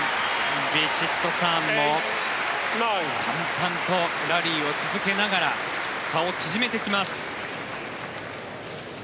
ヴィチットサーンも淡々とラリーを続けながら差を縮めてきます。